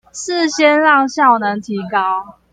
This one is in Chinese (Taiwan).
是先讓效能提高